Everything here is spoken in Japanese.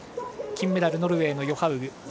金メダル、ノルウェーのヨハウグ。